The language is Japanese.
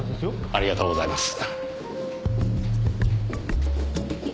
ありがとうございます。